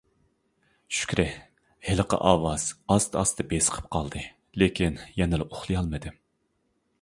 شۈكرى، ھېلىقى ئاۋاز ئاستا-ئاستا بېسىقىپ قالدى، لېكىن، يەنىلا ئۇخلىيالمىدىم.